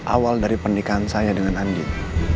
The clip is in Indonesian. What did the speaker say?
awal dari pernikahan saya dengan andi